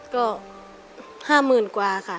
ก็ห้าหมื่นกว่าค่ะ